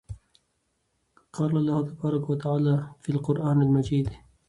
قال الله تبارك وتعالى فى القران المجيد: